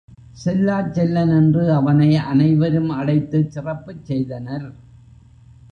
செல்லாச் செல்வன் என்று அவனை அனைவரும் அழைத்துச் சிறப்புச் செய்தனர்.